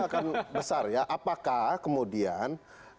akan besar ya apakah kemudian